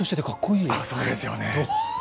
そうですよね。